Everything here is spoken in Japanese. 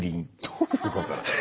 どういうことなの？